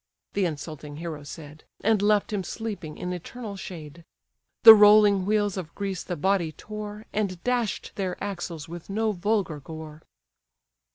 —The insulting hero said, And left him sleeping in eternal shade. The rolling wheels of Greece the body tore, And dash'd their axles with no vulgar gore.